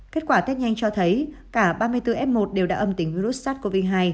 kết quả test nhanh cho thấy cả ba mươi bốn f một đều đã âm tính với virus sars cov hai